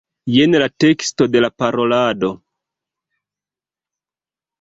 Jen la teksto de la parolado.